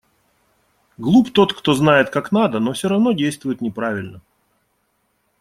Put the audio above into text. Глуп тот, кто знает, как надо, но всё равно действует неправильно.